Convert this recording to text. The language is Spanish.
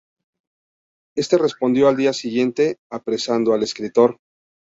Este respondió al día siguiente apresando al escritor.